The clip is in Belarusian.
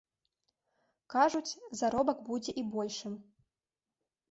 Кажуць, заробак будзе і большым.